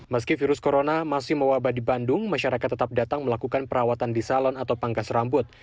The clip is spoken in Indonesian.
meski virus corona masih mewabah di bandung masyarakat tetap datang melakukan perawatan di salon atau pangkas rambut